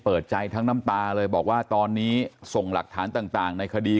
เปิดใจทั้งน้ำตาเลยบอกว่าตอนนี้ส่งหลักฐานต่างในคดี